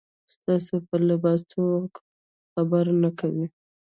ستاسو پر لباس څوک خبره نه کوي.